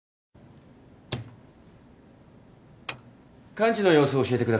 患児の様子教えてください。